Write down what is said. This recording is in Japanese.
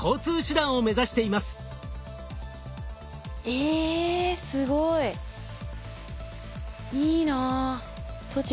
えすごい。いいな。